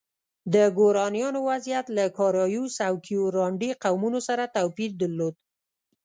د ګورانیانو وضعیت له کارایوس او کیورانډي قومونو سره توپیر درلود.